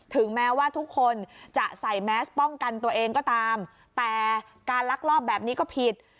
ถึงแม้ว่าทุกคนจะใส่แมสป้องกันตัวเองก็ตามแต่การลักลอบแบบนี้ก็ผิด